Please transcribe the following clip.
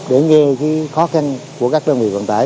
để nghe cái khó khăn của các đơn vị vận tải